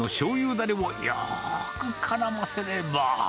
だれをよーくからませれば。